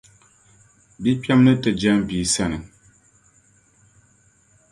bikpɛma ni ti jɛm bia sani.